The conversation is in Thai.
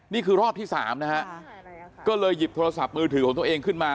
นี่คือรอบที่๓นะฮะก็เลยหยิบโทรศัพท์มือถือของตัวเองขึ้นมา